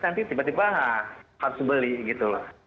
nanti tiba tiba harus beli gitu loh